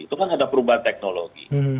itu kan ada perubahan teknologi